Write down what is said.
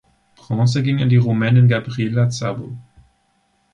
Bronze ging an die Rumänin Gabriela Szabo.